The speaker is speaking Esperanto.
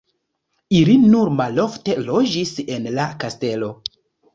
Ili nur malofte loĝis en la kastelo.